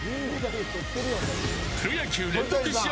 プロ野球連続試合